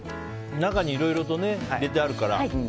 中にいろいろと入れてあるから。